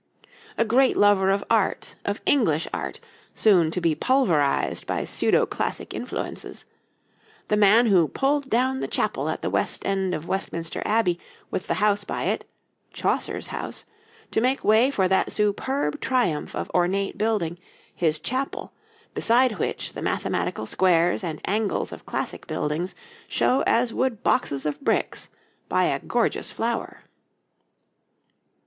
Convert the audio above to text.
The great lover of art, of English art, soon to be pulverized by pseudo classic influences; the man who pulled down the chapel at the west end of Westminster Abbey with the house by it Chaucer's house to make way for that superb triumph of ornate building, his chapel, beside which the mathematical squares and angles of classic buildings show as would boxes of bricks by a gorgeous flower.